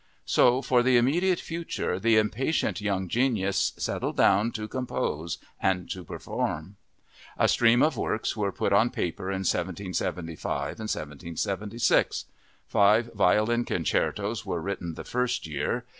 So for the immediate future the impatient young genius settled down to compose and to perform. A stream of works were put on paper in 1775 and 1776. Five violin concertos were written the first year.